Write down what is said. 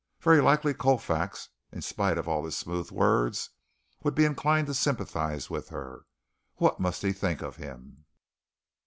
Very likely Colfax, in spite of all his smooth words, would be inclined to sympathize with her. What must he think of him?